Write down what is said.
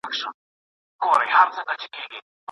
د زلمو ویني بهیږي د بوډا په وینو سور دی